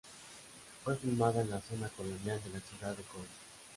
Fue filmada en la zona colonial de la ciudad de Coro.